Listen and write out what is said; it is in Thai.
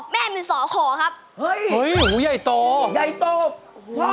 แต่เดี๋ยวค่อยดูนะครับผมว่าเขาถ่อมตัวมากกว่า